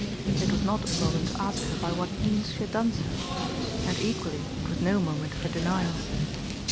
It was not a moment to ask her by what means she had done so. And, equally, it was no moment for denial.